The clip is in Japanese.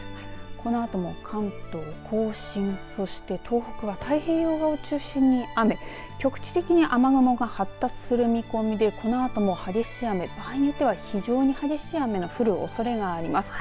このあとも関東甲信そして東北は太平洋側を中心に雨局地的に雨雲が発達する見込みでこのあとも激しい雨場合によっては非常に激しい雨の降るおそれがあります。